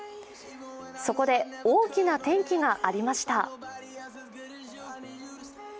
そこで大きな転機がありました。